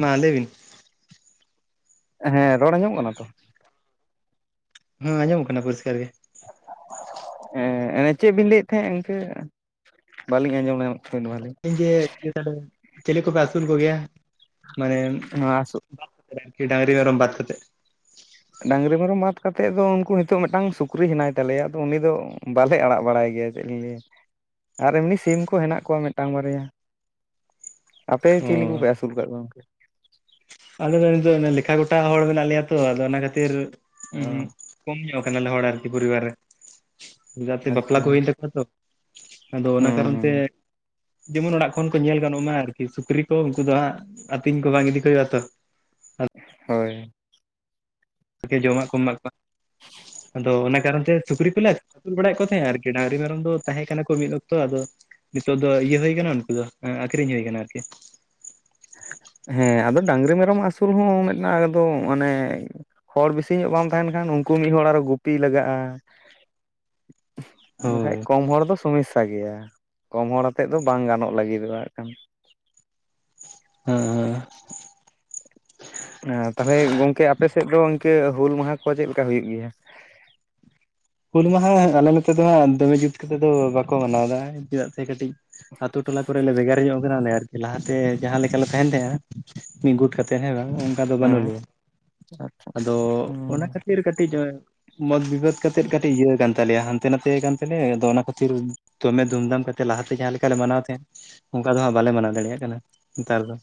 ᱢᱟ ᱞᱟᱹᱭ ᱵᱤᱱ᱾ ᱦᱮᱸ ᱨᱚᱲ ᱟᱸᱡᱚᱢ ᱠᱟᱱᱟ ᱛᱚ᱾ ᱦᱮᱸ ᱟᱸᱡᱚᱢᱚᱜ ᱠᱟᱱᱟ ᱯᱚᱨᱤᱥᱠᱟᱨ ᱜᱮ᱾ ᱦᱮᱸ ᱮ ᱪᱮᱫ ᱵᱤᱱ ᱞᱟᱹᱭᱮᱫ ᱛᱟᱦᱮᱸᱫ ᱤᱱᱠᱟᱹ? ᱵᱟᱹᱞᱤᱧ ᱟᱸᱡᱚᱢ ᱧᱟᱢ ᱠᱟᱱᱟ ᱱᱳᱭᱟ ᱞᱤᱧ [inaudible] ᱡᱮ ᱪᱤᱞᱤ ᱠᱚᱯᱮ ᱟᱹᱥᱩᱞ ᱠᱚᱜᱮᱭᱟ ᱢᱟᱱᱮ ᱱᱚᱣᱟ [inaudible] ᱰᱟᱝᱨᱤ ᱢᱮᱨᱚᱢ ᱵᱟᱫ ᱠᱟᱛᱮᱫ ᱰᱟᱹᱟᱝᱨᱤ ᱢᱮᱨᱚᱢ ᱵᱟᱫ ᱠᱟᱛᱮᱮᱫ ᱫᱚ ᱩᱱᱠᱩ ᱱᱤᱛᱚᱜ ᱢᱤᱫᱴᱟᱝ ᱥᱩᱠᱨᱤ ᱦᱮᱱᱟᱭ ᱛᱟᱞᱮᱭᱟ ᱟᱫᱚ ᱩᱱᱤ ᱫᱚ ᱵᱟᱞᱮ ᱟᱲᱟᱜ ᱵᱟᱲᱟᱭ ᱜᱮᱭᱟ᱾ ᱪᱮᱫ ᱤᱧ ᱞᱟᱹᱭᱟ ᱟᱨ ᱮᱢᱱᱤ ᱥᱤᱢ ᱠᱚ ᱦᱮᱱᱟᱜ ᱠᱚᱣᱟ ᱢᱤᱫᱴᱟᱱ ᱵᱟᱨᱭᱟ᱾ ᱟᱯᱮ ᱚ ᱪᱤᱞᱤ ᱠᱚᱯᱮ ᱟᱹᱥᱩᱞ ᱠᱟᱜ ᱠᱚᱣᱟ ᱜᱚᱝᱠᱮ? ᱟᱞᱮ ᱫᱚ ᱱᱤᱛᱚᱜ ᱫᱚ ᱞᱮᱠᱷᱟ ᱜᱚᱴᱟ ᱦᱚᱲ ᱢᱮᱱᱟᱜ ᱞᱮᱭᱟ ᱛᱚ ᱟᱫᱚ ᱚᱱᱟ ᱠᱷᱟᱹᱛᱤᱨ ᱚ ᱠᱚᱢ ᱧᱚᱜ ᱠᱟᱱᱟᱞᱮ ᱦᱚᱲ ᱟᱨᱠᱤ ᱯᱚᱨᱤᱵᱟᱨ ᱨᱮ ᱡᱟᱛᱮ ᱵᱟᱯᱞᱟ ᱠᱚ ᱟᱪᱪᱷᱟ ᱦᱩᱭᱮᱱ ᱛᱟᱠᱚ ᱛᱚ ᱟᱫᱚ ᱚᱱᱟ ᱠᱟᱨᱚᱱ ᱛᱮ ᱦᱩᱸ ᱡᱮᱢᱚᱱ ᱚᱲᱟᱜ ᱠᱷᱚᱱ ᱠᱚ ᱧᱮᱞ ᱜᱟᱱᱚᱜ ᱢᱟ ᱟᱨᱠᱤ ᱥᱩᱠᱨᱤ ᱠᱚ ᱩᱱᱠᱩ ᱫᱚ ᱦᱟᱸᱜ ᱟᱹᱛᱤᱧ ᱠᱚ ᱵᱟᱝ ᱤᱫᱤ ᱠᱚ ᱟ ᱛᱚ᱾ ᱦᱮ᱾ ᱦᱳᱭ᱾ ᱡᱚᱢᱟᱜ ᱠᱚ ᱮᱢᱟ ᱠᱚᱣᱟ ᱟᱫᱚ ᱚᱱᱟ ᱠᱟᱨᱚᱱ ᱛᱮ ᱥᱩᱠᱨᱤ ᱠᱚᱞᱮᱼᱼ ᱟᱹᱥᱩᱞ ᱵᱟᱲᱟᱭᱮᱫ ᱠᱚ ᱛᱟᱦᱮᱸᱱᱟ ᱟᱨᱠᱤ ᱰᱟᱝᱨᱤ ᱢᱮᱨᱚᱢ ᱫᱚ ᱛᱟᱦᱮᱸ ᱠᱟᱱᱟ ᱠᱚ ᱢᱤᱫ ᱚᱠᱛᱚ ᱟᱫᱚ ᱱᱤᱛᱳ ᱫᱚ ᱤᱭᱟᱹ ᱦᱩᱭ ᱠᱟᱱᱟ ᱛᱚ ᱩᱱᱠᱩ ᱫᱚ ᱟᱠᱷᱨᱤᱧ ᱦᱩᱭ ᱟᱠᱟᱱᱟ ᱟᱨᱠᱤ᱾ ᱦᱮᱸ ᱟᱫᱚ ᱰᱟᱝᱨᱤ ᱢᱮᱨᱚᱢ ᱟᱹᱥᱩᱞ ᱦᱚᱸ ᱢᱤᱫᱴᱟᱝ ᱮᱠᱫᱚᱢ ᱢᱟᱱᱮ ᱦᱚᱲ ᱵᱮᱥᱤ ᱧᱚᱜ ᱵᱟᱢ ᱛᱟᱦᱮᱱ ᱠᱷᱟᱱ, ᱩᱱᱠᱩ ᱢᱤᱫ ᱦᱚᱲ ᱟᱨᱚ ᱜᱩᱯᱤ ᱞᱟᱜᱟᱜᱼᱟ᱾ [inaudible] ᱵᱟᱠᱷᱟᱡ ᱦᱳᱭ ᱠᱚᱢ ᱦᱚᱲ ᱫᱚ ᱥᱚᱢᱚᱥᱥᱟ ᱥᱟ ᱜᱮᱭᱟ ᱠᱚᱢ ᱦᱚᱲ ᱟᱛᱮᱫ ᱫᱚ ᱵᱟᱝ ᱜᱟᱱᱚᱜ ᱞᱟᱹᱜᱤᱫᱚᱜᱼᱟ ᱦᱟᱜ ᱠᱷᱟᱱ᱾ ᱦᱮᱸ ᱦᱮᱸ᱾ ᱛᱟᱦᱚᱞᱮ ᱜᱚᱝᱠᱮ ᱟᱯᱮ ᱥᱮᱫ ᱫᱚ ᱤᱱᱠᱟᱹ ᱦᱩᱞ ᱢᱟᱦᱟ ᱠᱚ ᱪᱮᱫ ᱞᱮᱠᱟ ᱦᱩᱭᱩᱜ ᱜᱮᱭᱟ? ᱦᱩᱞ ᱢᱟᱦᱟ ᱟᱞᱮ ᱱᱚᱛᱮ ᱫᱚ ᱦᱟᱸᱜ ᱫᱚᱢᱮ ᱡᱩᱛ ᱠᱟᱛᱮ ᱫᱚ ᱵᱟᱠᱚ ᱢᱟᱱᱟᱣᱫᱟ ᱪᱮᱫᱟᱜ ᱥᱮ ᱠᱟᱹᱴᱤᱡ᱾ ᱟᱛᱳ ᱴᱚᱞᱟ ᱠᱚᱨᱮ ᱞᱮ ᱵᱷᱮᱜᱟᱨ ᱧᱚᱜ ᱠᱟᱱᱟᱞᱮ ᱟᱨ ᱞᱟᱦᱟᱛᱮ ᱡᱟᱸᱦᱟ ᱞᱮᱠᱟ ᱞᱮ ᱛᱟᱦᱮᱱ ᱛᱟᱦᱮᱸᱜ-ᱟ ᱢᱤᱜ ᱜᱩᱴ ᱠᱟᱛᱮ ᱦᱮᱸ ᱵᱟᱝ ᱚ ᱠᱟ ᱫᱚ ᱵᱟᱱᱩ ᱦᱮᱸ ᱞᱮᱭᱟ ᱟᱪᱪᱷᱟ ᱟᱫᱚ ᱚᱱᱟ ᱠᱷᱟᱛᱤᱨ ᱠᱟᱴᱤᱡ ᱢᱚᱛ ᱵᱤᱵᱟᱹᱫ᱾ ᱠᱟᱛᱮᱫ ᱠᱟᱴᱤᱡ ᱤᱭᱟᱹ ᱠᱟᱱ ᱛᱟᱞᱮᱭᱟ ᱦᱟᱱᱛᱮ ᱱᱟᱛᱮ ᱠᱟᱱ ᱛᱮᱞᱮ ᱟᱫᱚ ᱚᱱᱟ ᱠᱷᱟᱛᱤᱨ᱾ ᱫᱚᱢᱮ ᱫᱷᱩᱢᱫᱷᱟᱢ ᱠᱟᱛᱮ ᱞᱟᱦᱟᱛᱮ ᱡᱟᱸᱦᱟ ᱞᱮᱠᱟᱞᱮ ᱢᱟᱱᱟᱣ ᱛᱟᱦᱮᱜ ᱚᱝᱠᱟ ᱫᱚ ᱦᱟᱸᱜ ᱵᱟᱞᱮ ᱢᱟᱱᱟᱣ ᱫᱟᱲᱮᱭᱟᱜ ᱠᱟᱱᱟ ᱱᱮᱛᱟᱨ ᱫᱚ᱾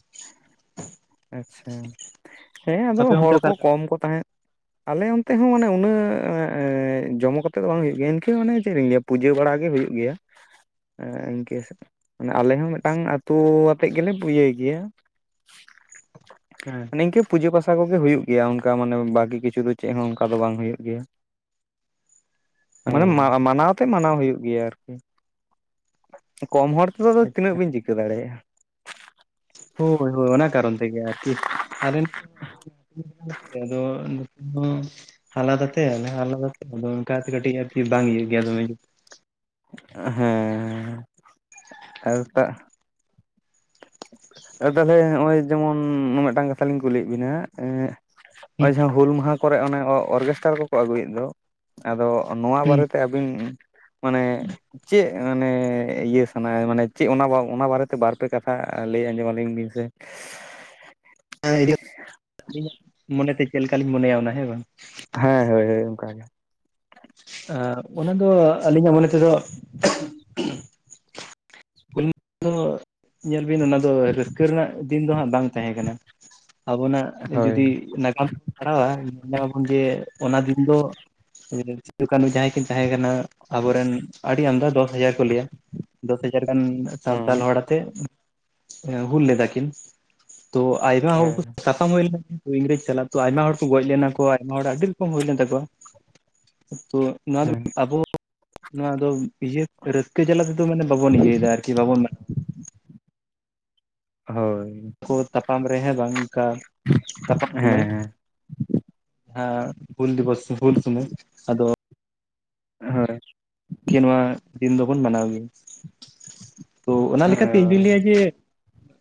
ᱟᱪᱪᱷᱟ ᱦᱮᱸ ᱟᱫᱚ ᱟᱯᱮ ᱚᱱᱛᱮ ᱦᱚᱲ ᱚᱠᱟ ᱠᱚ ᱞᱮᱠᱟ ᱠᱚᱢ ᱠᱚ ᱛᱟᱦᱮᱸᱜ᱾ ᱟᱞᱮ ᱚᱱᱛᱮ ᱦᱚᱸ ᱢᱟᱱᱮ ᱩᱱᱟᱹᱜ ᱮᱸ ᱡᱚᱢᱚᱠ ᱟᱛᱮ ᱫᱚ ᱵᱟᱝ ᱦᱳᱭᱳᱜ ᱜᱮᱭᱟ, ᱤᱱᱠᱟᱹ ᱢᱟᱱᱮ ᱪᱮᱫ ᱤᱧ ᱞᱟᱹᱭᱟ᱾ ᱯᱩᱡᱟᱹ ᱵᱟᱲᱟ ᱜᱮ ᱦᱩᱭᱩᱜ ᱜᱮᱭᱟ᱾ ᱮᱸ ᱤᱝᱠᱟᱹ ᱥᱮᱫ ᱢᱟᱱᱮ ᱟᱞᱮ ᱦᱚᱸ ᱢᱮᱜᱴᱟᱝ ᱟᱛᱳ ᱟᱛᱮᱜ ᱜᱮᱞᱮ ᱤᱭᱟᱹᱭ ᱜᱮᱭᱟ᱾ ᱦᱮᱸ᱾ ᱤᱝᱠᱟᱹ ᱯᱩᱡᱟᱹ ᱯᱟᱥᱟ ᱠᱚᱜᱮ ᱦᱩᱭᱩᱜ ᱜᱮᱭᱟ ᱚᱱᱠᱟ ᱢᱟᱱᱮ ᱵᱟᱠᱤ ᱠᱤᱪᱷᱩ ᱫᱚ ᱪᱮᱜ ᱦᱚᱸ ᱚᱱᱠᱟ ᱫᱚ ᱵᱟᱝ ᱦᱩᱭᱩᱜ ᱜᱮᱭᱟ᱾ ᱢᱟᱱᱮ ᱦᱮᱸ ᱢᱟᱱᱟᱣᱛᱮᱜ ᱢᱟᱱᱟᱣ ᱦᱩᱭᱩᱜ ᱜᱮᱭᱟ ᱟᱨᱠᱤ᱾ ᱠᱚᱢ ᱦᱚᱲ ᱛᱮᱫᱚ ᱟᱫᱚ ᱛᱤᱱᱟᱹᱜ ᱵᱤᱱ ᱪᱤᱠᱟᱹ ᱫᱟᱲᱮᱭᱟᱜ-ᱟ᱾ ᱦᱳᱭ ᱦᱳᱭ ᱚᱱᱟ ᱠᱟᱨᱚᱱ ᱛᱮᱜᱮ ᱟᱨᱠᱤ ᱟᱞᱮ ᱱᱚᱛᱮ ᱦᱚᱸ ᱟᱫᱚ᱾ [unintelligible] ᱟᱫᱚ ᱱᱚᱛᱮ ᱦᱚᱸ᱾ ᱟᱞᱟᱫᱟᱛᱮ ᱟᱞᱮ ᱦᱚᱸ ᱟᱞᱟᱫᱟᱛᱮ ᱟᱫᱚ ᱚᱝᱠᱟᱛᱮ ᱠᱟᱴᱤᱡ ᱟᱨᱠᱤ ᱵᱟᱝ ᱤᱭᱟᱹᱜ ᱜᱮᱭᱟ ᱫᱚᱢᱮ ᱡᱩᱛ᱾ ᱦᱮᱸ ᱦᱮᱸ ᱟᱨ ᱴᱟᱜ᱾ ᱟᱨ ᱛᱟᱦᱞᱮ ᱦᱚᱸᱜ-ᱚᱭ ᱡᱮᱢᱚᱱ ᱢᱮᱜᱴᱟᱝ ᱠᱟᱛᱷᱟ ᱞᱤᱧ ᱠᱩᱞᱤᱭᱮᱜ ᱵᱤᱱᱟ ᱮᱸ᱾ ᱦᱩᱸ ᱦᱚᱜ-ᱚᱭ ᱡᱟᱦᱟ ᱦᱩᱞ ᱢᱟᱦᱟ ᱠᱚᱨᱮ ᱚᱱᱮ ᱚᱨᱜᱮᱥᱴᱟᱨ ᱠᱚᱠᱚ ᱟᱹᱜᱩᱭᱮᱜ ᱫᱚ ᱟᱫᱚ᱾ ᱱᱚᱣᱟ ᱦᱩᱸ ᱵᱟᱨᱮᱛᱮ ᱟᱵᱤᱱ ᱢᱟᱱᱮ ᱪᱮᱜ᱾ ᱮᱸ ᱢᱟᱱᱮ ᱤᱭᱟᱹ ᱥᱟᱱᱟ ᱢᱟᱱᱮ ᱪᱮᱜ ᱚᱱᱟ ᱚᱱᱟ ᱵᱟᱨᱮᱛᱮ ᱵᱟᱨᱯᱮ ᱠᱟ ᱛᱷᱟ ᱞᱟᱹᱭ ᱟᱸᱡᱚᱢ ᱟᱞᱤᱧ ᱵᱤᱱ ᱥᱮ᱾ [unintelligible] ᱟᱹᱞᱤᱧᱟᱜ ᱢᱚᱱᱮ ᱛᱮ ᱪᱮᱜ ᱞᱮᱠᱟᱞᱤᱧ ᱢᱚᱱᱮᱭᱟ ᱚᱱᱟ ᱦᱮᱸ ᱵᱟᱝ? ᱦᱮᱸ ᱦᱳᱭ ᱦᱳᱭ ᱚᱝᱠᱟ ᱜᱮ᱾ ᱟᱸ ᱩᱱᱟᱹ ᱫᱚ ᱟᱹᱞᱤᱧᱟᱜ ᱢᱚᱱᱮ ᱛᱮᱫᱚ᱾ ᱫᱚ ᱧᱮᱞ ᱵᱤᱱ ᱚᱱᱟ ᱫᱚ ᱨᱟᱹᱥᱠᱟᱹ ᱨᱮᱱᱟᱜ ᱫᱤᱱ ᱫᱚ ᱦᱟᱸᱜ ᱵᱟᱝ ᱛᱟᱦᱮ ᱠᱟᱱᱟ ᱟᱵᱚᱱᱟᱜ᱾ ᱦᱳᱭ ᱡᱩᱫᱤ ᱱᱟᱜᱟᱢ᱾ ᱯᱟᱲᱦᱟᱣᱟ ᱧᱮᱞ ᱧᱟᱢᱟᱵᱚᱱ ᱡᱮ ᱚᱱᱟ ᱫᱤᱱ ᱫᱚ ᱥᱤᱫᱩ ᱠᱟᱱᱦᱩ ᱡᱟᱸᱦᱟᱭ ᱠᱤᱱ ᱛᱟᱦᱮ ᱠᱟᱱᱟ᱾ ᱟᱵᱚᱨᱮᱱ ᱟᱰᱤ ᱟᱢᱫᱟ ᱫᱚᱥ ᱦᱟᱡᱟᱨ ᱠᱚ ᱞᱟᱹᱭᱟ ᱫᱚᱥ ᱦᱟᱡᱟᱨ ᱜᱟᱱ᱾ ᱥᱟᱱᱛᱟᱞ ᱦᱩᱸ ᱦᱚᱲ ᱟᱛᱮᱜ ᱦᱩᱞ ᱞᱮᱫᱟ ᱠᱤᱱ᱾ ᱛᱚ ᱟᱭᱢᱟ᱾ ᱦᱮᱸ [unintelligible] ᱯᱟᱢ ᱦᱳᱭ ᱞᱮᱱᱟ ᱠᱤᱱᱛᱩ ᱤᱝᱨᱮᱡᱽ ᱥᱟᱞᱟᱜ ᱛᱚ ᱟᱭᱢᱟ ᱦᱚᱲ ᱠᱩ ᱜᱚᱡᱽ ᱞᱮᱱᱟ ᱠᱚ ᱟᱭᱢᱟ ᱦᱚᱲ ᱟᱹᱰᱤ ᱨᱚᱠᱚᱢ ᱦᱩᱭ ᱞᱮᱱ ᱛᱟᱠᱚᱣᱟ᱾ ᱛᱚ ᱱᱚᱣᱟ ᱫᱚ ᱟᱵᱚ ᱱᱚᱣᱟ ᱫᱚ ᱤᱭᱟᱹ ᱨᱟᱹᱥᱠᱟᱹ ᱡᱟᱞᱟ ᱛᱮᱫᱚ ᱢᱟᱱᱮ ᱵᱟᱵᱚᱱ ᱤᱭᱟᱹᱭ ᱫᱟ ᱟᱨ ᱠᱤ ᱵᱟᱵᱚᱱ ᱢᱟ ᱦᱳᱭ᱾ ᱠᱚ ᱛᱟᱯᱟᱢ ᱨᱮ ᱦᱮᱸ ᱵᱟᱝ ᱚᱝᱠᱟ ᱛᱟᱯᱟᱢ ᱥᱩᱢᱟᱹᱭ᱾ ᱦᱮᱸ ᱦᱮᱸ ᱦᱩᱞ ᱫᱤᱵᱚᱥ ᱦᱩᱞ ᱥᱩᱢᱟᱹᱭ ᱟᱫᱚ᱾ ᱦᱳᱭ᱾ ᱠᱤ ᱱᱚᱣᱟ ᱫᱤᱱ ᱫᱚᱵᱚᱱ ᱢᱟᱱᱟᱣ ᱜᱮᱭᱟ᱾ ᱛᱚ ᱚᱱᱟ ᱞᱮᱠᱟᱛᱮ ᱤᱧᱫᱩᱧ ᱞᱟᱹᱭᱟ ᱡᱮ᱾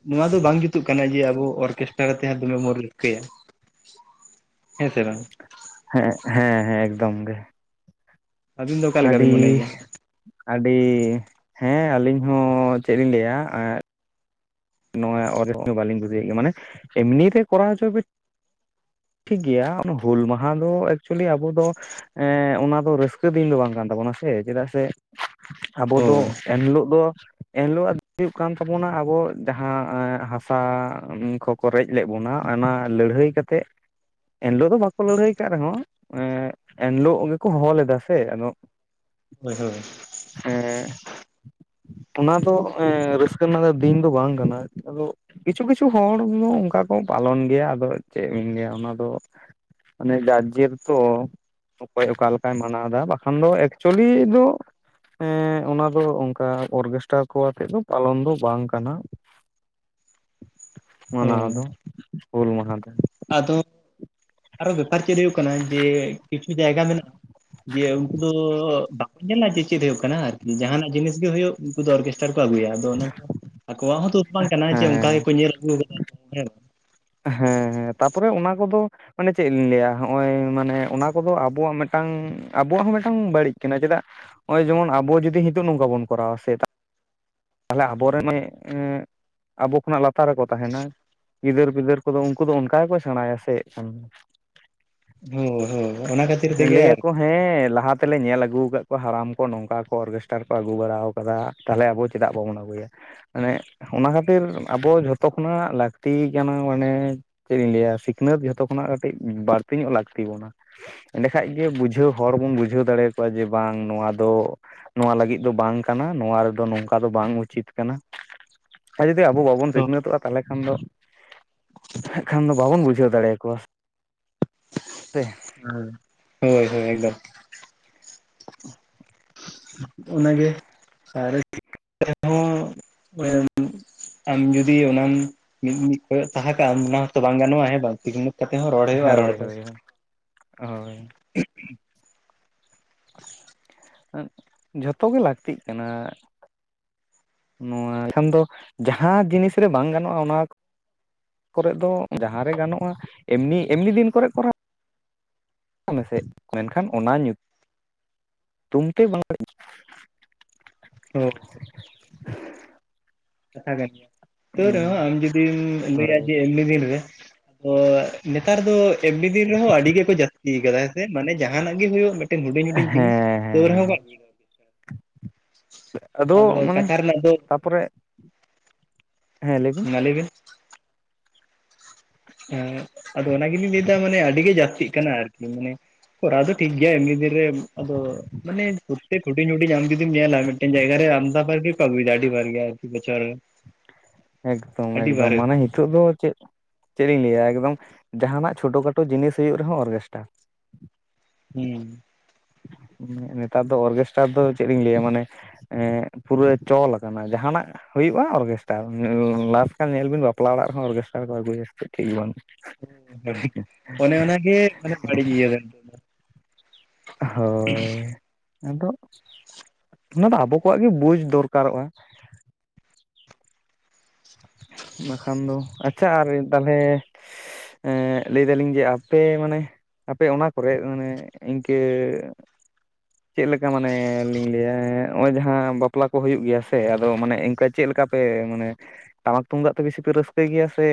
ᱱᱚᱣᱟ ᱫᱚ ᱵᱟᱝ ᱡᱩᱛᱩᱜ ᱠᱟᱱᱟ ᱡᱮ ᱟᱵᱚ ᱚᱨᱠᱮᱥᱴᱟᱨ ᱟᱛᱮ ᱦᱟᱸᱜ ᱫᱚᱢᱮ ᱵᱚᱱ ᱨᱟᱹᱥᱠᱟᱹᱭᱟ᱾ ᱦᱮᱸ ᱥᱮ ᱵᱟᱝ? ᱦᱮᱸ ᱦᱮᱸ ᱮᱠᱫᱚᱢ ᱜᱮ᱾ ᱟᱹᱵᱤᱱ ᱫᱚ ᱚᱠᱟ ᱞᱮᱠᱟ ᱵᱤᱱ ᱟᱰᱤ ᱢᱚᱱᱮ ᱜᱮᱭᱟ ᱟᱰᱤ ᱦᱮᱸ ᱟᱞᱤᱧ ᱦᱚᱸ ᱪᱮᱜ ᱞᱤᱧ ᱞᱟᱹᱭᱟ ᱮᱸ᱾ ᱱᱚᱣᱟ [unintelligible] ᱵᱟᱞᱤᱧ ᱠᱩᱥᱤᱭᱟᱜ ᱜᱮᱭᱟ ᱢᱟᱱᱮ ᱮᱢᱱᱤ ᱨᱮ ᱠᱚᱨᱟᱣ ᱦᱚᱪᱚᱭ ᱯᱮ᱾ ᱴᱷᱤᱠ ᱜᱮᱭᱟ ᱚᱱᱟ ᱦᱩᱞ ᱢᱟᱦᱟ ᱫᱚ ᱮᱠᱪᱩᱭᱮᱞᱤ ᱟᱵᱚ ᱫᱚ᱾ ᱦᱮᱸ ᱚᱱᱟ ᱫᱚ ᱨᱟᱹᱥᱠᱟᱹ ᱫᱤᱱ ᱫᱚ ᱵᱟᱝ ᱠᱟᱱ ᱛᱟᱵᱚᱱᱟ ᱥᱮ ᱪᱮᱫᱟᱜ ᱥᱮ ᱟᱵᱚ ᱫᱚ ᱦᱳᱭ ᱮᱱᱦᱤᱞᱚᱜ ᱫᱚ ᱮᱱᱦᱤᱞᱚᱜᱟᱜ ᱦᱩᱭᱩᱜ ᱠᱟᱱ ᱛᱟᱵᱚᱱᱟ ᱟᱵᱚ ᱡᱟᱦᱟᱸ ᱦᱟᱥᱟ ᱠᱚᱠᱚ ᱨᱮᱡ ᱞᱮᱫ ᱵᱚᱱᱟ ᱚᱱᱟ ᱞᱟᱹᱲᱦᱟᱹᱭ ᱠᱟᱛᱮᱜ ᱮᱱᱦᱤᱞᱚᱜ ᱫᱚ ᱵᱟᱠᱚ ᱞᱟᱹᱲᱦᱟᱹᱭ ᱠᱟᱜ ᱨᱮᱦᱚᱸ᱾ ᱮᱸ ᱮᱱᱦᱤᱞᱚᱜ ᱜᱮᱠᱚ ᱦᱚᱦᱚ ᱞᱮᱫᱟ ᱥᱮ ᱟᱫᱚ ᱦᱚᱭ ᱦᱚᱭ᱾ ᱮᱸ ᱚᱱᱟ ᱫᱚ ᱨᱟᱹᱥᱠᱟᱹ ᱨᱮᱱᱟᱜ ᱫᱚ ᱫᱤᱱ ᱫᱚ ᱵᱟᱝ ᱠᱟᱱᱟ ᱟᱫᱚ ᱠᱤᱪᱷᱩ ᱠᱤᱪᱷᱩ ᱦᱚᱲ ᱫᱚ ᱚᱝᱠᱟ ᱠᱚ ᱯᱟᱞᱚᱱ ᱜᱮᱭᱟ ᱟᱫᱚ ᱪᱮᱫ ᱤᱧ ᱞᱟᱹᱭᱟ ᱚᱱᱟ ᱫᱚ᱾ ᱢᱟᱱᱮ ᱡᱟᱠᱡᱮᱨ ᱛᱚ ᱚᱠᱚᱭ ᱚᱠᱟ ᱞᱮᱠᱟᱭ ᱢᱟᱱᱟᱣ ᱮᱫᱟ ᱵᱟᱠᱷᱟᱱ ᱫᱚ ᱮᱠᱪᱚᱞᱤ ᱫᱚ ᱮᱸ ᱚᱱᱟ ᱫᱚ ᱚᱱᱠᱟ ᱚᱨᱜᱮᱥᱴᱟᱨ ᱠᱚ ᱟᱛᱮ ᱫᱚ ᱯᱟᱞᱚᱱ ᱫᱚ ᱵᱟᱝ ᱠᱟᱱᱟ ᱢᱟᱱᱟᱣ ᱦᱳᱭ ᱫᱚ ᱦᱩᱞ ᱢᱟᱦᱟ ᱫᱚ ᱟᱫᱚ ᱟᱨᱚ ᱵᱮᱯᱟᱨ ᱪᱮᱱ ᱦᱩᱭᱩᱜ ᱠᱟᱱᱟ ᱡᱮ ᱠᱤᱪᱷᱩ ᱡᱟᱭᱜᱟ ᱫᱚ ᱢᱮᱱᱟᱜ ᱡᱮ ᱩᱱᱠᱩ ᱫᱚ ᱵᱟᱠᱚ ᱧᱮᱞᱟ ᱡᱮ ᱪᱮᱫ ᱦᱩᱭᱩᱜ ᱠᱟᱱᱟ, ᱡᱟᱦᱟᱱ ᱡᱤᱱᱤᱥ ᱜᱮ ᱦᱩᱭᱩᱜ ᱩᱱᱠᱩ ᱫᱚ ᱚᱨᱜᱮᱥᱴᱟᱨ ᱠᱚ ᱟᱹᱜᱩᱭᱟ ᱟᱫᱚ ᱚᱱᱟ ᱫᱚ ᱟᱠᱚᱣᱟᱜ ᱦᱚᱸ ᱫᱚᱥ ᱵᱟᱝ ᱠᱟᱱᱟ ᱡᱮ ᱚᱱᱠᱟ ᱦᱮᱸ ᱜᱮᱠᱚ ᱧᱮᱞ ᱟᱹᱜᱩ ᱠᱟᱫᱟ᱾ ᱦᱮᱸ ᱦᱮᱸ, ᱛᱟᱯᱚᱨᱮ ᱚᱱᱟ ᱠᱚᱫᱚ ᱢᱟᱱᱮ ᱪᱮᱫ ᱞᱤᱧ ᱞᱟᱹᱭᱟ ᱦᱚᱜ-ᱚᱭ ᱢᱟᱱᱮ ᱚᱱᱟ ᱠᱚᱫᱚ ᱟᱵᱚᱣᱟᱜ ᱢᱤᱫ ᱴᱟᱝ ᱟᱵᱚᱣᱟᱜ ᱦᱚᱸ ᱢᱤᱫ ᱴᱟᱝ ᱵᱟᱹᱲᱤᱡ ᱠᱟᱱᱟ ᱪᱮᱫᱟᱜ ᱦᱚᱜᱼᱚᱭ ᱡᱮᱢᱚᱱ ᱟᱵᱚ ᱡᱩᱫᱤ ᱦᱤᱸᱛᱚᱜ ᱱᱚᱝᱠᱟ ᱵᱚᱱ ᱠᱚᱨᱟᱣᱟ ᱥᱮ ᱛᱟᱦᱞᱮ ᱟᱵᱚᱨᱮᱱ ᱮ [unintelligible] ᱟᱵᱚ ᱠᱷᱚᱱᱟᱜ ᱞᱟᱛᱟᱨ ᱨᱮᱠᱚ ᱛᱟᱦᱮᱸᱱᱟ ᱜᱤᱫᱟᱹᱨ ᱯᱤᱫᱟᱹᱨ ᱠᱚᱫᱚ ᱩᱱᱠᱩ ᱩᱱᱠᱩ ᱫᱚ ᱚᱱᱠᱟ ᱜᱮᱠᱚ ᱥᱮᱬᱟᱭᱟ ᱥᱮ ᱮᱸᱜ ᱦᱳᱭ ᱦᱳᱭ ᱚᱱᱟ ᱠᱷᱟᱹᱛᱤᱨ ᱠᱷᱟᱱ ᱛᱮᱜᱮ ᱞᱟᱹᱭ ᱟᱠᱚ ᱟᱨᱠᱤ ᱦᱟᱸᱜ ᱦᱮᱸ ᱞᱟᱦᱟ ᱛᱮᱞᱮ ᱧᱮᱞ ᱟᱹᱜᱩ ᱠᱟᱜ ᱠᱚᱣᱟ ᱦᱟᱲᱟᱢ ᱠᱚ ᱱᱚᱝᱠᱟ ᱠᱚ ᱚᱨᱠᱮᱥᱴᱟᱨ ᱠᱚ ᱟᱹᱜᱩ ᱵᱟᱲᱟᱣ ᱠᱟᱫᱟ᱾ ᱛᱟᱦᱚᱞᱮ ᱟᱵᱚ ᱪᱮᱫᱟᱜ ᱵᱟᱵᱚᱱ ᱟᱹᱜᱩᱭᱟ᱾ ᱢᱟᱱᱮ ᱚᱱᱟ ᱠᱷᱟᱹᱛᱤᱨ ᱟᱵᱚ ᱡᱷᱚᱛᱚ ᱠᱷᱚᱱᱟᱜ ᱞᱟᱹᱠᱛᱤ ᱠᱟᱱᱟ ᱢᱟᱱᱮ ᱪᱮᱫ ᱤᱧ ᱞᱟᱹᱭᱟ ᱥᱤᱠᱷᱱᱟᱹᱛ ᱡᱷᱚᱛᱚ ᱠᱷᱚᱱᱟᱜ ᱠᱟᱹᱴᱤᱡ ᱵᱟᱹᱲᱛᱤ ᱧᱚᱜ ᱞᱟᱹᱠᱛᱤ ᱵᱚᱱᱟ᱾ ᱮᱸᱰᱮ ᱠᱷᱟᱡ ᱜᱮ ᱵᱩᱡᱷᱟᱹᱣ ᱦᱚᱲ ᱵᱚᱱ ᱵᱩᱡᱷᱟᱹᱣ ᱫᱟᱲᱮᱭᱟ ᱠᱚᱣᱟ ᱡᱮ ᱵᱟᱝ ᱱᱚᱣᱟ ᱫᱚ ᱱᱚᱣᱟ ᱞᱟᱹᱜᱤᱫ ᱫᱚ ᱵᱟᱝ ᱠᱟᱱᱟ, ᱱᱚᱣᱟ ᱨᱮᱫᱚ ᱱᱚᱝᱠᱟ ᱫᱚ ᱵᱟᱝ ᱩᱪᱤᱛ ᱠᱟᱱᱟ᱾ ᱟᱨ ᱡᱩᱫᱤ ᱟᱵᱚ ᱵᱟᱵᱚᱱ ᱦᱳᱭ ᱥᱤᱠᱷᱱᱟᱹᱛᱚᱜ-ᱟ ᱛᱟᱦᱚᱞᱮ ᱠᱷᱟᱱ ᱫᱚ ᱦᱟᱸᱜ ᱠᱷᱟᱱ ᱫᱚ ᱵᱟᱵᱚᱱ ᱵᱩᱡᱷᱟᱹᱣ ᱫᱟᱲᱮᱭᱟᱠᱚᱣᱟ ᱛᱮ᱾ ᱦᱮᱸ ᱦᱳᱭ ᱦᱳᱭ, ᱮᱠᱫᱚᱢ᱾ ᱚᱱᱟᱜᱮ [unintelligible] ᱟᱢ ᱡᱩᱫᱤ ᱚᱱᱟᱢ ᱢᱤᱫ ᱠᱚᱭᱚᱜ ᱛᱟᱦᱮᱸ ᱠᱟᱜ-ᱟᱢ ᱚᱱᱟ ᱦᱚᱸᱛᱚ ᱵᱟᱝ ᱜᱟᱱᱚᱜ-ᱟ ᱦᱮᱸ ᱵᱟᱝ ᱴᱷᱤᱠ ᱢᱚ ᱠᱟᱛᱮ ᱦᱚᱸ ᱨᱚᱲ ᱦᱩᱭᱩᱜ-ᱟ ᱨᱚᱲ ᱦᱳᱭ ᱫᱚ᱾ ᱦᱳᱭ ᱦᱳᱭ ᱡᱷᱚᱛᱚ ᱜᱮ ᱞᱟᱹᱠᱛᱤᱜ ᱠᱟᱱᱟ᱾ ᱱᱚᱣᱟ ᱮᱱᱠᱷᱟᱱ ᱫᱚ ᱡᱟᱦᱟᱸ ᱡᱤᱱᱤᱥ ᱨᱮ ᱵᱟᱝ ᱜᱟᱱᱚᱜ-ᱟ, ᱚᱱᱟ ᱠᱚᱨᱮ ᱫᱚ ᱡᱟᱦᱟᱸ ᱨᱮ ᱜᱟᱱᱚᱜ-ᱟ ᱮᱢᱱᱤ ᱮᱢᱱᱤ ᱫᱤᱱ ᱠᱚᱨᱮ ᱠᱚᱨᱟᱣ ᱢᱮᱥᱮ ᱢᱮᱱᱠᱷᱟᱱ ᱚᱱᱟ ᱧᱩ ᱛᱩᱢ ᱛᱮ ᱵᱟᱝ ᱦᱮᱸ ᱾ ᱠᱟᱛᱷᱟ ᱠᱟᱱ ᱜᱮᱭᱟ ᱛᱟᱹᱣ ᱨᱮᱦᱚᱸ ᱟᱢ ᱡᱩᱫᱤᱢ ᱞᱟᱹᱭᱟ ᱦᱳᱭ ᱡᱮ ᱮᱢᱱᱤ ᱫᱤᱱ ᱨᱮ᱾ ᱛᱚ ᱱᱮᱛᱟᱨ ᱫᱚ ᱮᱢᱱᱤ ᱫᱤᱱ ᱨᱮᱦᱚᱸ ᱟᱹᱰᱤ ᱜᱮᱠᱚ ᱡᱟᱹᱥᱛᱤ ᱠᱟᱫᱟ ᱦᱮᱸ ᱥᱮ, ᱢᱟᱱᱮ ᱡᱟᱦᱟᱱᱟᱜ ᱜᱮ ᱦᱳᱭᱳᱜ ᱢᱤᱫ ᱴᱟᱹᱝ ᱦᱩᱰᱤᱧ ᱦᱮᱸ ᱦᱩᱰᱤᱧ ᱡᱤᱱᱤᱥ ᱛᱟᱹᱣ ᱦᱮᱸ ᱨᱮᱦᱚᱸ ᱦᱮᱸ ᱫᱟ ᱟᱫᱚ ᱢᱟᱱᱮ ᱠᱟᱛᱷᱟ ᱨᱮᱱᱟᱜ ᱫᱚ ᱛᱟᱯᱚᱨᱮ ᱦᱮᱸ ᱞᱮ ᱵᱤᱱ ᱾ ᱦᱮᱸ ᱟᱫᱚ ᱚᱱᱟ ᱜᱮᱞᱤᱧ ᱞᱟᱹᱭᱫᱟ ᱢᱟᱱᱮ ᱟᱹᱰᱤ ᱜᱮ ᱡᱟᱹᱥᱛᱤᱜ ᱠᱟᱱᱟ ᱟᱨ ᱢᱟᱱᱮ ᱠᱚᱨᱟᱣ ᱫᱚ ᱴᱷᱤᱠ ᱜᱮᱭᱟ ᱮᱢᱱᱤ ᱫᱤᱱᱨᱮ, ᱟᱫᱚ ᱢᱟᱱᱮ ᱯᱚᱛᱛᱮᱠ ᱦᱩᱰᱤᱧ ᱦᱩᱰᱤᱧ ᱟᱢ ᱡᱩᱫᱤᱢ ᱧᱮᱞᱟ ᱢᱮᱫᱴᱮᱱ ᱡᱟᱭᱜᱟ ᱨᱮ ᱟᱢᱫᱟ ᱵᱟᱨ ᱜᱮᱠᱚ ᱟᱜᱩᱭᱮᱫᱟ ᱟᱹᱰᱤ ᱵᱟᱨ ᱜᱮ ᱟᱨᱠᱤ ᱵᱚᱪᱷᱚᱨ ᱨᱮ ᱾ ᱮᱠᱫᱚᱢ ᱮᱠᱫᱚᱢ ᱢᱟᱱᱮ ᱱᱤᱛᱚᱜ ᱫᱚ ᱪᱮᱫ ᱪᱮᱫ ᱤᱧ ᱞᱟᱹᱭᱟ ᱮᱠᱫᱚᱢ ᱡᱟᱦᱟᱱᱟᱜ ᱪᱷᱳᱴᱳ ᱠᱷᱟᱴᱳ ᱡᱤᱱᱤᱥ ᱦᱩᱭᱩᱜ ᱨᱮᱦᱚᱸ ᱚᱨᱜᱮᱥᱴᱟᱨ ᱾ ᱦᱩᱸ ᱾ ᱱᱮᱛᱟᱨ ᱫᱚ ᱚᱨᱜᱮᱥᱴᱟᱨ ᱫᱚ ᱪᱮᱫ ᱤᱧ ᱞᱟᱹᱭᱟ ᱢᱟᱱᱮ ᱮᱸᱜ ᱯᱩᱨᱟᱹ ᱪᱚᱞ ᱠᱟᱱᱟ ᱡᱟᱦᱱᱟᱜ ᱦᱩᱭᱩᱜᱼᱟ ᱚᱨᱜᱮᱥᱴᱟᱨ, ᱞᱟᱥᱴ ᱨᱮ ᱧᱮᱞ ᱵᱤᱱ ᱵᱟᱯᱞᱟ ᱚᱲᱟᱜ ᱨᱮᱦᱚᱸ ᱚᱨᱜᱮᱥᱴᱟᱨ ᱠᱚ ᱟᱹᱜᱩᱭᱟ ᱴᱷᱤᱠ ᱵᱟᱹᱱᱩᱜᱼᱟ ᱾ ᱚᱱᱮ ᱚᱱᱟ ᱜᱮ ᱢᱟᱱᱮ ᱵᱟᱹᱲᱤᱡ ᱤᱭᱟᱹ ᱟᱞᱮ ᱚᱱᱛᱮ ᱫᱚ ᱾ ᱦᱳᱭ, ᱟᱫᱚ ᱚᱱᱟ ᱫᱚ ᱟᱵᱚ ᱠᱚᱣᱟᱜ ᱜᱮ ᱵᱩᱡᱽ ᱫᱚᱨᱠᱟᱨᱚᱜᱼᱟ ᱾ ᱵᱟᱠᱷᱟᱱ ᱫᱚ ᱟᱪᱪᱷᱟ ᱟᱨ ᱛᱟᱦᱚᱞᱮ ᱮᱸᱜ ᱞᱟᱹᱭ ᱫᱟᱞᱤᱧ ᱡᱮ ᱟᱯᱮ ᱢᱟᱱᱮ ᱟᱯᱮ ᱚᱱᱟ ᱠᱚᱨᱮᱜ ᱢᱟᱱᱮ ᱤᱱᱠᱟᱹ ᱪᱮᱫ ᱞᱮᱠᱟ ᱢᱟᱱᱮ ᱞᱤᱧ ᱞᱟᱹᱭᱟ ᱱᱚᱜᱼᱚᱭ ᱡᱟᱦᱟᱸ ᱵᱟᱯᱞᱟ ᱠᱚ ᱦᱩᱭᱩᱜ ᱜᱮᱭᱟ ᱥᱮ ᱟᱫᱚ ᱢᱟᱱᱮ ᱤᱱᱠᱟᱹ ᱪᱮᱫ ᱞᱮᱠᱟ ᱯᱮ ᱢᱟᱱᱮ ᱴᱟᱢᱟᱠ ᱛᱩᱢᱫᱟᱜ ᱛᱮ ᱵᱮᱥᱤ ᱯᱮ ᱨᱟᱹᱥᱠᱟᱹᱭ ᱜᱮᱭᱟ ᱥᱮ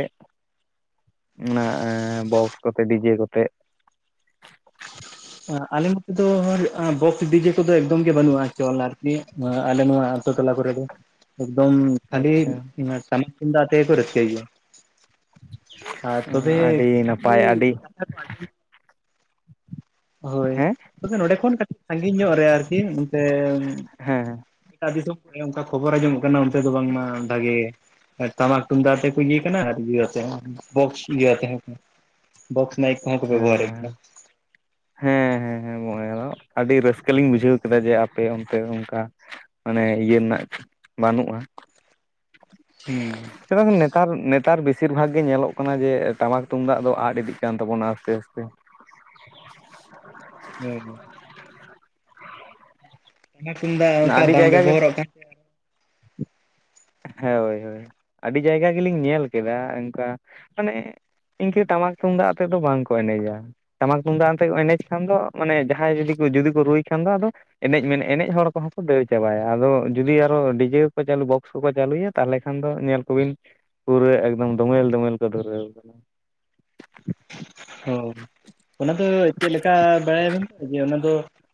ᱚᱱᱟ ᱵᱚᱠᱥ ᱠᱚᱛᱮ, ᱰᱤᱡᱮ ᱠᱚᱛᱮ? ᱟᱞᱮ ᱱᱚᱛᱮ ᱫᱚ ᱵᱚᱠᱥ ᱰᱤᱡᱮ ᱠᱚᱫᱚ ᱮᱠᱫᱚᱢ ᱜᱮ ᱵᱟᱹᱱᱩᱜᱼᱟ ᱪᱚᱞ ᱟᱨᱠᱤ ᱱᱚᱣᱟ ᱟᱞᱮ ᱱᱚᱣᱟ ᱟᱛᱩ ᱴᱚᱞᱟ ᱠᱚ ᱨᱮᱫᱚ, ᱮᱠᱫᱚᱢ ᱡᱷᱟᱞᱤ ᱟᱪᱪᱷᱟ ᱚᱱᱟ ᱴᱟᱢᱟᱠ ᱛᱩᱢᱫᱟᱸᱜ ᱟᱛᱮᱫ ᱜᱮᱠᱚ ᱨᱟᱥᱠᱟᱹᱭ ᱜᱮᱭᱟ ᱾ ᱟᱨ ᱛᱚᱵᱮ ᱟᱹᱰᱤ ᱱᱟᱯᱟᱭ ᱟᱹᱰᱤ [unintelligible] ᱠᱟᱛᱷᱟ ᱠᱚ ᱟᱸᱡᱚᱢ ᱦᱳᱭ ᱦᱮᱸ ᱛᱚᱵᱮ ᱱᱚᱸᱰᱮ ᱠᱷᱚᱱ ᱠᱟᱹᱴᱤᱡ ᱥᱟᱜᱤᱧ ᱧᱚᱜ ᱨᱮ ᱟᱨᱠᱤ ᱚᱱᱛᱮ ᱦᱮᱸ ᱮᱴᱟᱜ ᱫᱤᱥᱚᱢ ᱠᱚᱨᱮ ᱚᱱᱠᱟ ᱠᱷᱚᱵᱚᱨ ᱟᱸᱡᱚᱢᱚᱜ ᱠᱟᱱᱟ ᱚᱱᱛᱮ ᱫᱚ ᱵᱟᱝᱢᱟ ᱵᱷᱟᱜᱮ ᱾ ᱟᱨ ᱴᱟᱢᱟᱠ ᱛᱩᱢᱫᱟᱜ ᱟᱛᱮ ᱠᱚ ᱤᱭᱟᱹ ᱠᱟᱱᱟ ᱟᱨ ᱤᱭᱟᱹ ᱟᱛᱮ ᱵᱚᱠᱥ ᱤᱭᱟᱹ ᱟᱛᱮ ᱦᱚᱸ ᱠᱚ ᱵᱚᱠᱥ ᱢᱟᱭᱤᱠ ᱠᱚᱦᱚᱸ ᱠᱚ ᱵᱮᱵᱚᱦᱟᱨ ᱮᱫ ᱦᱮᱸ ᱜᱮᱭᱟ ᱾ ᱦᱮᱸ ᱦᱮᱸ ᱦᱮᱸ ᱜᱚᱝ ᱚᱸ ᱟᱹᱰᱤ ᱨᱟᱹᱥᱠᱟᱹ ᱞᱤᱧ ᱵᱩᱡᱷᱟᱹᱣ ᱠᱮᱫᱟ ᱡᱮ ᱟᱯᱮ ᱚᱱᱛᱮ ᱚᱱᱠᱟ ᱢᱟᱱᱮ ᱤᱭᱟᱹ ᱨᱮᱱᱟᱜ ᱵᱟᱹᱱᱩᱜᱼᱟ ᱾ ᱦᱩᱸ ᱾ [unintelligible] ᱱᱮᱛᱟᱨ ᱱᱮᱛᱟᱨ ᱵᱮᱥᱤᱨ ᱵᱷᱟᱜᱽ ᱜᱮ ᱧᱮᱞᱚᱜ ᱠᱟᱱᱟ ᱡᱮ ᱴᱟᱢᱟᱠ ᱛᱩᱢᱫᱟᱜ ᱫᱚ ᱟᱫ ᱤᱫᱤᱜ ᱠᱟᱱ ᱛᱟᱵᱚᱱᱟ ᱟᱥᱛᱮ ᱟᱥᱛᱮ ᱾ ᱦᱩᱸ ᱦᱩᱸ ᱾ ᱴᱟᱢᱟᱠ ᱛᱩᱢᱫᱟᱜ ᱚᱱᱠᱟ ᱟᱹᱰᱤ ᱵᱟᱝ ᱡᱟᱭᱜᱟ ᱜᱮ ᱵᱮᱵᱚᱦᱟᱨᱚᱜ ᱠᱟᱱ ᱾ ᱦᱳᱭ ᱦᱳᱭ, ᱟᱹᱰᱤ ᱡᱟᱭᱜᱟ ᱜᱮᱞᱤᱧ ᱧᱮᱞ ᱠᱮᱫᱟ ᱚᱱᱠᱟ ᱢᱟᱱᱮ ᱤᱱᱠᱟᱹ ᱴᱟᱢᱟᱠ ᱛᱩᱢᱫᱟᱜ ᱟᱛᱮᱫ ᱫᱚ ᱵᱟᱝ ᱠᱚ ᱮᱱᱮᱡᱟ ᱾ ᱴᱟᱢᱟᱠ ᱛᱩᱢᱫᱟᱜ ᱟᱛᱮᱫ ᱠᱚ ᱮᱱᱮᱡ ᱠᱷᱟᱱ ᱫᱚ ᱢᱟᱱᱮ ᱡᱟᱦᱟᱸᱭ ᱡᱩᱫᱤ ᱡᱩᱫᱤ ᱠᱚ ᱨᱩᱭ ᱠᱷᱟᱱ ᱫᱚ ᱟᱫᱚ ᱮᱱᱮᱡ ᱢᱮᱱᱮ ᱮᱱᱮᱡ ᱦᱚᱲ ᱠᱚᱦᱚᱸ ᱠᱚ ᱫᱟᱹᱲ ᱪᱟᱵᱟᱭᱟ ᱟᱫᱚ ᱡᱩᱫᱤ ᱟᱨᱚ ᱰᱤᱡᱮ ᱠᱚ ᱠᱚ ᱪᱟᱹᱞᱩ ᱵᱚᱠᱥ ᱠᱚᱠᱚ ᱪᱟᱹᱞᱩᱭᱟ ᱛᱟᱦᱚᱞᱮ ᱠᱷᱟᱱ ᱫᱚ ᱧᱮᱞ ᱠᱚᱵᱤᱱ ᱯᱩᱨᱟᱹ ᱮᱠᱫᱚᱢ ᱫᱚᱢᱮᱞ ᱫᱚᱢᱮᱞ ᱠᱚ ᱫᱷᱩᱨᱟᱹᱣ ᱠᱟᱱᱟ ᱾ ᱦᱳᱭ ᱾ ᱚᱱᱟ ᱫᱚ ᱪᱮᱫ ᱞᱮᱠᱟ ᱵᱟᱲᱟᱭᱟᱵᱤᱱ ᱛᱚ ᱡᱮ ᱚᱱᱟ ᱫᱚ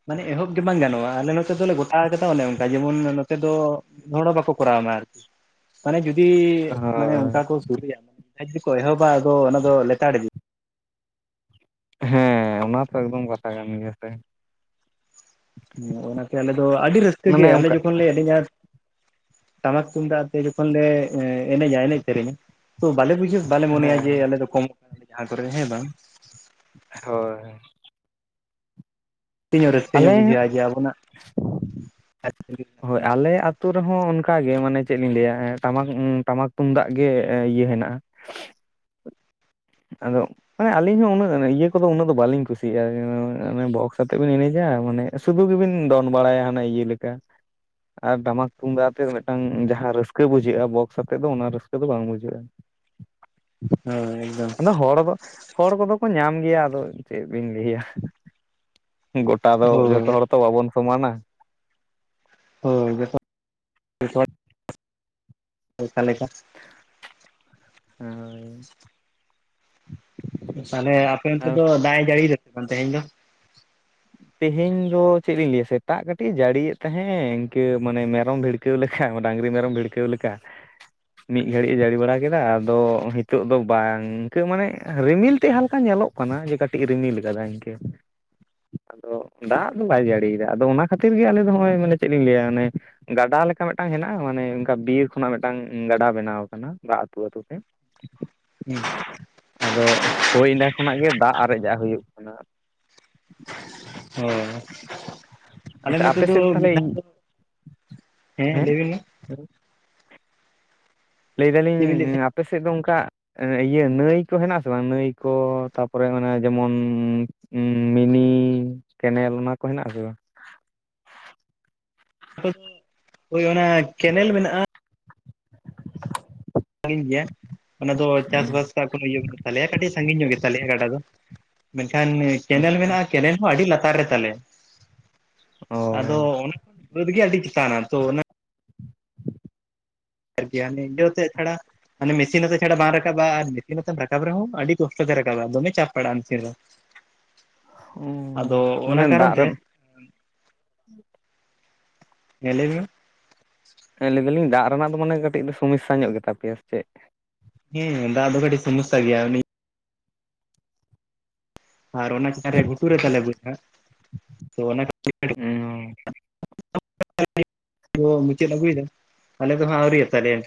ᱢᱟᱱᱮ ᱮᱦᱚᱵ ᱜᱮ ᱵᱟᱝ ᱜᱟᱱᱚᱜᱼᱟ ᱟᱞᱮ ᱱᱚᱛᱮ ᱫᱚᱞᱮ ᱜᱚᱴᱟ ᱟᱠᱟᱫᱟ ᱚᱱᱮ ᱚᱱᱠᱟ ᱡᱮᱢᱚᱱ ᱱᱚᱛᱮ ᱫᱚ ᱦᱚᱲ ᱦᱚᱸ ᱵᱟᱠᱚ ᱠᱚᱨᱟᱣ ᱢᱟ ᱟᱨᱠᱤ ᱾ ᱢᱟᱱᱮ ᱡᱩᱫᱤ ᱢᱟᱱᱮ ᱦᱳᱭ ᱚᱱᱠᱟ ᱠᱚ ᱥᱩᱨᱩᱭᱟ ᱡᱟᱦᱟᱸᱭ ᱡᱩᱫᱤ ᱠᱚ ᱮᱦᱚᱵᱟ ᱟᱫᱚ ᱚᱱᱟ ᱫᱚ ᱞᱮᱛᱟᱲ ᱤᱫᱤ ᱾ ᱦᱮᱸ ᱚᱱᱟ ᱛᱚ ᱮᱠᱫᱚᱢ ᱠᱟᱛᱷᱟ ᱠᱟᱱ ᱜᱮᱭᱟ ᱥᱮ ᱾ ᱦᱮᱸ ᱚᱱᱟ ᱛᱮ ᱟᱞᱮ ᱫᱚ ᱟᱹᱰᱤ ᱨᱟᱹᱥᱠᱟᱹ ᱢᱟᱱᱮ ᱜᱮ, ᱟᱞᱮ ᱚᱱᱠᱟ ᱡᱚᱠᱷᱚᱱ ᱞᱮ ᱮᱱᱮᱡᱟ ᱴᱟᱢᱟᱠ ᱛᱩᱢᱫᱟᱜ ᱟᱛᱮ ᱡᱚᱠᱷᱚᱱ ᱞᱮ ᱮᱸ ᱮᱱᱮᱡᱟ ᱮᱱᱮᱡ ᱥᱮᱨᱮᱧᱟ ᱾ ᱛᱚ ᱵᱟᱞᱮ ᱵᱩᱡᱷᱟᱹ ᱵᱟᱞᱮ ᱢᱚᱱᱮᱭᱟ ᱡᱮ ᱦᱮᱸ ᱟᱞᱮ ᱫᱚ ᱠᱚᱢᱚᱜ ᱠᱟᱱᱟᱞᱮ ᱡᱟᱦᱟᱸ ᱠᱚᱨᱮ ᱦᱮᱸ ᱵᱟᱝ ᱾ ᱦᱳᱭ᱾ ᱤᱧ ᱦᱚᱸ ᱨᱟᱹᱥᱠᱟᱹ ᱟᱞᱮ ᱧᱚᱜ ᱵᱩᱡᱟᱹᱜ-ᱟ ᱡᱮ ᱟᱵᱚᱱᱟᱜ ᱦᱳᱭ ᱠᱟᱱᱟ ᱟᱞᱮ ᱟᱛ ᱟᱛᱳ ᱨᱮᱦᱚᱸ ᱚᱱᱠᱟᱜ ᱜᱮ ᱢᱟᱱᱮ ᱪᱮᱫ ᱞᱤᱧ ᱞᱟᱹᱭᱟ ᱴᱟᱢᱟᱠ ᱴᱟᱢᱟᱠ ᱛᱩᱢᱫᱟᱜ ᱜᱮ ᱤᱭᱟᱹ ᱦᱮᱱᱟᱜ-ᱟ᱾ [inaudible] ᱟᱫᱚ ᱢᱟᱱᱮ ᱟᱹᱞᱤᱧ ᱦᱚᱸ ᱩᱱᱟᱹᱜ ᱤᱭᱟᱹ ᱠᱚᱫᱚ ᱩᱱᱟᱹᱜ ᱫᱚ ᱵᱟᱹᱞᱤᱧ ᱠᱩᱥᱤᱭᱟᱜ-ᱟ, ᱵᱚᱠᱥ ᱟᱛᱮ ᱵᱮᱱ ᱮᱱᱮᱡᱟ ᱢᱟᱱᱮ᱾ ᱥᱩᱫᱷᱩ ᱜᱮᱵᱤᱱ ᱫᱚᱱ ᱵᱟᱲᱟᱭᱟ ᱦᱟᱱᱮ ᱤᱭᱟᱹ ᱞᱮᱠᱟ᱾ ᱟᱨ ᱴᱟᱢᱟᱠ ᱛᱩᱢᱫᱟᱜ ᱟᱛᱮ ᱢᱤᱫᱴᱟᱝ ᱡᱟᱦᱟᱸ ᱨᱟᱹᱥᱠᱟᱹ ᱵᱩᱡᱷᱟᱹᱜ-ᱟ ᱵᱚᱠᱥ ᱟᱛᱮᱫ ᱫᱚ ᱚᱱᱟ ᱨᱟᱹᱥᱠᱟᱹ ᱫᱚ ᱵᱟᱝ ᱵᱩᱡᱷᱟᱹᱜ-ᱟ᱾ ᱦᱳᱭ ᱮᱠᱫᱚᱢ ᱟᱫᱚ ᱦᱚᱲᱲ ᱫᱚ ᱦᱚᱲ ᱠᱚᱫᱚ ᱠᱚ ᱧᱟᱢ ᱜᱮᱭᱟ ᱟᱫᱚ ᱪᱮᱫ ᱵᱤᱱ ᱞᱟᱹᱭᱟ ᱜᱚᱴᱟ ᱫᱚ ᱡᱚᱛᱚ ᱦᱳᱭ ᱡᱚᱛᱚ ᱦᱚᱲ ᱛᱚ ᱵᱟᱵᱚᱱ ᱥᱚᱢᱟᱱᱟ᱾ ᱦᱳᱭ ᱛᱚ ᱚᱱᱠᱟ ᱞᱮᱠᱟ? ᱦᱳᱭ [inaudible] ᱛᱟᱦᱚᱸᱞᱮ ᱟᱯᱮ ᱚᱱᱛᱮ ᱟᱨ ᱫᱚ ᱫᱟᱜ ᱮ ᱡᱟᱹᱲᱤᱭᱮᱫᱟ ᱥᱮ ᱵᱟᱝ ᱛᱮᱦᱮᱸᱧ ᱫᱚ᱾ ᱛᱮᱦᱮᱸᱧ ᱫᱚ ᱪᱮᱫ ᱞᱤᱧ ᱞᱟᱹᱭᱟ ᱥᱮᱛᱟᱜ ᱠᱟᱹᱴᱤᱡ-ᱮ ᱡᱟᱹᱲᱤᱭᱮᱫ ᱛᱟᱦᱮᱸᱫ ᱤᱱᱠᱟᱹ ᱢᱟᱱᱮ ᱢᱮᱨᱚᱢ ᱵᱷᱤᱲ ᱠᱟᱹᱣ ᱞᱮᱠᱟ ᱰᱟᱹᱝᱨᱤ ᱢᱮᱨᱚᱢ ᱵᱷᱤᱲᱠᱟᱹᱣ ᱞᱮᱠᱟ᱾ ᱢᱤᱫ ᱜᱷᱟᱹᱲᱤᱡ ᱮ ᱡᱟᱹᱲᱤ ᱵᱟᱲᱟ ᱠᱮᱫᱟ, ᱟᱫᱚ ᱦᱤᱛᱚᱜ ᱫᱚ ᱵᱟᱝ ᱤᱱᱠᱟᱹ ᱢᱟᱱᱮ ᱨᱤᱢᱤᱞ ᱛᱮᱫ ᱦᱟᱞᱠᱟ ᱧᱮᱞᱚᱜ ᱠᱟᱱᱟ ᱡᱮ ᱠᱟᱹᱴᱤᱡ ᱮ ᱨᱤᱢᱤᱞ ᱠᱟᱫᱟ ᱤᱱᱠᱟᱹ᱾ ᱟᱫᱚ ᱫᱟᱜ ᱫᱚ ᱵᱟᱭ ᱡᱟᱹᱲᱤᱭᱮᱫᱟ ᱟᱫᱚ ᱚᱱᱟ ᱠᱷᱟᱹᱛᱤᱨ ᱜᱮ ᱟᱞᱮ ᱫᱚ ᱦᱚᱸᱜ-ᱚᱭ ᱢᱟᱱᱮ ᱪᱮᱫ ᱞᱤᱧ ᱞᱟᱹᱭᱟ ᱚᱱᱮ ᱜᱟᱰᱟ ᱞᱮᱠᱟ ᱢᱤᱫᱴᱟᱝ ᱦᱮᱱᱟᱜ-ᱟ ᱢᱟᱱᱮ ᱚᱱᱠᱟ ᱵᱤᱨ ᱠᱷᱚᱱᱟᱜ ᱢᱤᱫᱴᱟᱝ ᱜᱟᱰᱟ ᱵᱮᱱᱟᱣ ᱟᱠᱟᱱᱟ ᱫᱟᱜ ᱟᱹᱛᱩ ᱟᱹᱛᱩ ᱛᱮ᱾ [inaudible] ᱟᱫᱚ ᱦᱳᱭ ᱮᱸᱰᱮ ᱠᱷᱚᱱᱟᱜ ᱜᱮ ᱫᱟᱜ ᱟᱨᱮᱡᱟᱜ-ᱟ ᱦᱩᱭᱩᱜ ᱠᱟᱱᱟ᱾ ᱦᱚᱸ᱾ ᱟᱞᱮ ᱟᱪᱪᱷᱟ ᱱᱚᱛᱮ ᱟᱯᱮ ᱫᱚ ᱥᱮᱫ ᱛᱟᱦᱚᱞᱮ ᱢᱤᱫ ᱫᱷᱟᱣ ᱫᱚ, ᱦᱮᱸ ᱞᱟᱹᱭ ᱵᱤᱱ ᱢᱟ᱾ ᱞᱟᱹᱭ ᱪᱮᱫ ᱵᱤᱱ ᱞᱟᱹᱭᱮᱫ ᱫᱟᱞᱤᱧ ᱛᱟᱦᱮᱸᱫ? ᱟᱯᱮ ᱥᱮᱫ ᱫᱚ ᱚᱱᱠᱟ ᱟᱱᱮ ᱤᱭᱟᱹ ᱱᱟᱹᱭ ᱠᱚ ᱦᱮᱱᱟᱜ-ᱟ ᱥᱮ ᱵᱟᱝ ᱱᱟᱹᱭ ᱠᱚ ᱛᱟᱨᱯᱚᱨᱮ ᱢᱟᱱᱮ ᱡᱮᱢᱚᱱ ᱢᱤᱱᱤ ᱠᱮᱱᱮᱞ ᱚᱱᱟ ᱠᱚ ᱦᱮᱱᱟᱜ ᱟᱥᱮ ᱵᱟᱝ? ᱦᱳᱭ ᱚᱱᱟ ᱠᱮᱱᱮᱞ ᱢᱮᱱᱟᱜ-ᱟ᱾ ᱥᱟᱸᱜᱤᱧ ᱜᱮᱭᱟ, ᱚᱱᱟ ᱫᱚ ᱪᱟᱥ ᱵᱟᱥ᱾ [unintelligible] ᱠᱟᱹᱴᱤᱡ ᱥᱟᱺᱜᱤᱧ ᱧᱚᱜ ᱜᱮ ᱛᱟᱞᱮᱭᱟ ᱜᱟᱰᱟ ᱫᱚ ᱢᱮᱱᱠᱷᱟᱱ ᱠᱮᱱᱮᱞ ᱢᱮᱱᱟᱜ-ᱟ᱾ ᱠᱮᱱᱮᱞ ᱦᱚᱸ ᱟᱹᱰᱤ ᱞᱟᱛᱟᱨ ᱨᱮ ᱛᱟᱞᱮ, ᱚ ᱟᱫᱚ ᱚᱱᱟ ᱵᱟᱹᱫᱽ ᱜᱮ ᱟᱹᱰᱤ ᱪᱮᱛᱟᱱᱟ ᱛᱚ ᱚᱱᱟ [unintelligible] ᱜᱮᱭᱟ ᱱᱤᱨᱡᱟᱹᱣ ᱛᱮᱫ ᱪᱷᱟᱲᱟ᱾ ᱢᱟᱱᱮ ᱢᱮᱥᱤᱱ ᱟᱛᱮ ᱪᱷᱟᱲᱟ ᱵᱟᱝ ᱨᱟᱠᱟᱵ-ᱟ ᱟᱨ ᱢᱮᱥᱤᱱ ᱟᱛᱮᱢ ᱨᱟᱠᱟᱵ ᱨᱮᱦᱚᱸ ᱟᱹᱰᱤ ᱠᱚᱥᱴ ᱛᱮ ᱨᱟᱠᱟᱵ-ᱟ, ᱫᱚᱢᱮ ᱪᱟᱯ ᱯᱟᱲᱟᱜ-ᱟ ᱢᱮᱥᱤᱱ ᱨᱮᱦᱚᱸ᱾ ᱟᱫᱚ ᱚᱱᱟ ᱢᱟᱱᱮ ᱠᱟᱨᱚᱱ ᱫᱟᱜ ᱛᱮ᱾ ᱨᱮᱱ ᱦᱮᱸ ᱞᱮᱭ ᱵᱤᱱ ᱾ ᱦᱮᱸ ᱞᱟᱹᱭ ᱫᱟᱹᱞᱤᱧ ᱫᱟᱜ ᱨᱮᱱᱟᱜ ᱫᱚ ᱢᱟᱱᱮ ᱠᱟᱹᱴᱤᱡ ᱫᱚ ᱥᱚᱢᱚᱥᱥᱟ ᱧᱚᱜ ᱜᱮᱛᱟ ᱯᱮᱭᱟ ᱥᱮ ᱪᱮᱫ? ᱦᱮᱸ ᱫᱟᱜ ᱫᱚ ᱠᱟᱹᱴᱤᱡ ᱥᱚᱢᱚᱥᱥᱟ ᱜᱮᱭᱟ ᱩᱱᱤ ᱟᱨ ᱚᱱᱟ ᱪᱮᱛᱟᱱ ᱨᱮ ᱜᱷᱩᱴᱩ ᱨᱮ ᱛᱟᱦᱚᱸᱞᱮ ᱵᱟᱹᱫᱽ ᱦᱟᱸᱜ ᱛᱚ ᱚᱱᱟ ᱠᱷᱟᱹᱛᱤᱨ᱾ ᱦᱩᱸ᱾ [inaudible] [unintelligible] ᱢᱩᱪᱟᱹᱫ ᱟᱹᱜᱩᱭᱮᱫᱟ, ᱟᱞᱮ ᱫᱚ ᱦᱟᱸᱜ ᱟᱹᱣᱨᱤᱭᱟᱛᱟᱞᱮᱭᱟ᱾